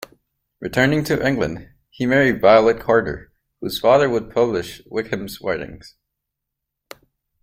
Returning to England, he married Violet Carter, whose father would publish Wickham's writings.